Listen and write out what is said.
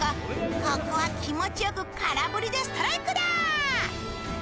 ここは気持ちよく空振りでストライクだ！